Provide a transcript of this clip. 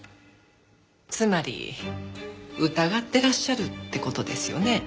つまり疑ってらっしゃるって事ですよね？